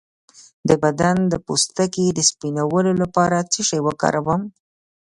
د بدن د پوستکي د سپینولو لپاره څه شی وکاروم؟